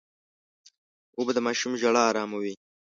اوبه د ماشوم ژړا اراموي.